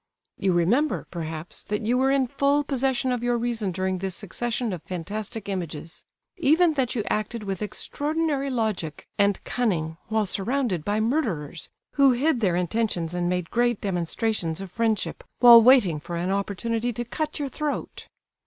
You remember, perhaps, that you were in full possession of your reason during this succession of fantastic images; even that you acted with extraordinary logic and cunning while surrounded by murderers who hid their intentions and made great demonstrations of friendship, while waiting for an opportunity to cut your throat.